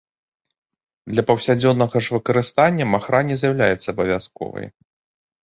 Для паўсядзённага ж выкарыстання махра не з'яўляецца абавязковай.